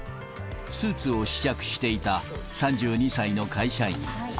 スーツを試着していた３２歳の会社員。